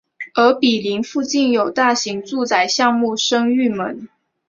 而毗邻附近有大型住宅项目升御门。